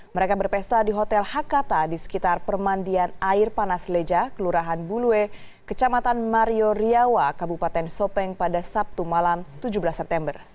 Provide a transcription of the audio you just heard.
mereka berpesta di hotel hakata di sekitar permandian air panas leja kelurahan bulue kecamatan mario riawa kabupaten sopeng pada sabtu malam tujuh belas september